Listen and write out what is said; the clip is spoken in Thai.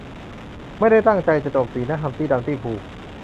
ไม่ได้ตั้งใจจะโจมตีนะ ฮัมตี้ ดัมตี้ พูก